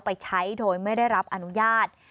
ไปใช้โดยไม่ได้รับอนุญาต